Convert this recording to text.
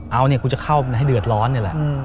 เอาเนี่ยกูจะเข้าให้เดือดร้อนนี่แหละ